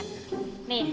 nih ini tuh